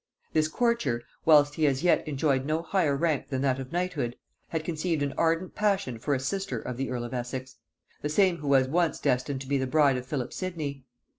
This courtier, whilst he as yet enjoyed no higher rank than that of knighthood, had conceived an ardent passion for a sister of the earl of Essex; the same who was once destined to be the bride of Philip Sidney.